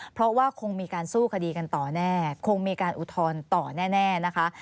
เพราะว่าคงมีการสู้คดีกันต่อแน่คงมีการอุทธรณ์ต่อแน่นะคะ